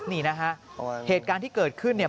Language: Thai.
นี่นะฮะเหตุการณ์ที่เกิดขึ้นเนี่ย